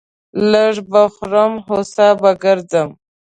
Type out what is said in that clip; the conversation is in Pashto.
لږ به خورم ، هو سا به گرځم.